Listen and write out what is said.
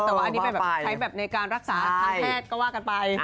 แต่ว่าอันนี้ไปแบบใช้แบบในการรักษาทางแพทย์ก็ว่ากันไป